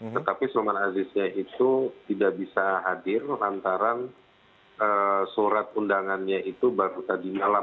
tetapi sulman aziznya itu tidak bisa hadir lantaran surat undangannya itu baru tadi malam